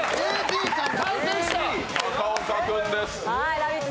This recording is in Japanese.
「ラヴィット！」